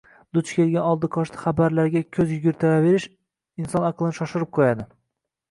Duch kelgan oldi-qochti xabarlarga ko‘z yugurtiraverish inson aqlini shoshirib qo‘yadi.